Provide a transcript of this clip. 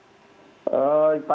saya mencari penyelidikan